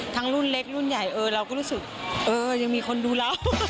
รุ่นเล็กรุ่นใหญ่เออเราก็รู้สึกเออยังมีคนดูเรา